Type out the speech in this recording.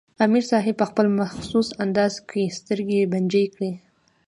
امیر صېب پۀ خپل مخصوص انداز کښې سترګې بنجې کړې